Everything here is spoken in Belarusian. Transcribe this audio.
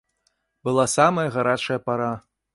Была самая гарачая пара.